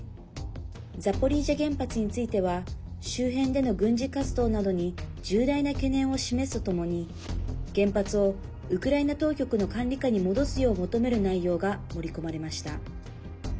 ザポリージャ原発については周辺での軍事活動などに重大な懸念を示すとともに原発をウクライナ当局の管理下に戻すよう求める内容が盛り込まれました。